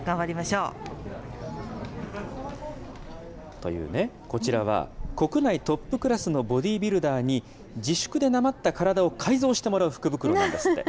というね、こちらは国内トップクラスのボディービルダーに、自粛でなまった体を改造してもらう福袋なんですって。